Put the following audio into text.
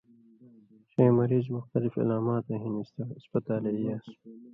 ݜَیں مریض مختلف علاماتؤں ہِن ہسپتالے ای یان٘س۔